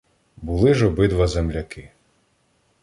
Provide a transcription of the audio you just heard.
Були ж обидва земляки.